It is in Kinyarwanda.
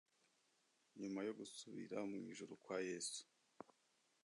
nyuma yo gusubira mu ijuru kwa yesu,